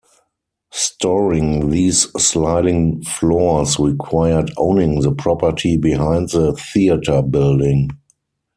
Storing these sliding floors required owning the property behind the theater building.